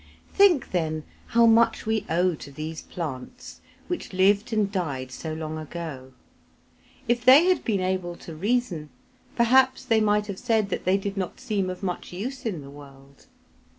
Think, then, how much we owe to these plants which lived and died so long ago! If they had been able to reason, perhaps they might have said that they did not seem of much use in the world.